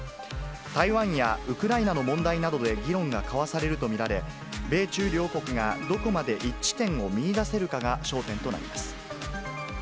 台湾やウクライナの問題などで議論が交わされると見られ、米中両国が、どこまで一致点を見いだせるかが焦点となります。